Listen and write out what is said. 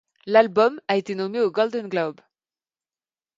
L'album a été nommé aux Golden globe.